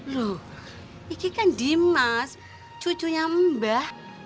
lho ini kan dimas cucunya mbak